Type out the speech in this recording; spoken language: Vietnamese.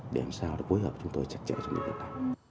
để làm sao để phối hợp chúng tôi chặt chẽ cho lực lượng tài